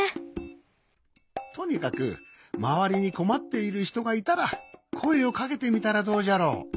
とにかくまわりにこまっているひとがいたらこえをかけてみたらどうじゃろ。